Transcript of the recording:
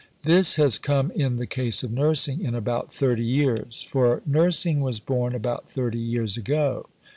This has come in the case of Nursing in about 30 years; for Nursing was born about 30 years ago.